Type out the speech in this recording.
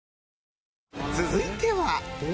続いては。